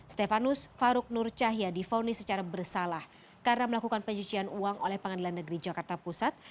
stefanus faruk nur cahya difonis secara bersalah karena melakukan pencucian uang oleh pengadilan negeri jakarta pusat